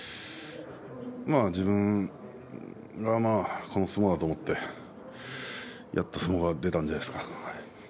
自分がこの相撲だと思ってやった相撲が出たんじゃないですか。